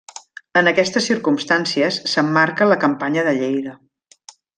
En aquestes circumstàncies s'emmarca la Campanya de Lleida.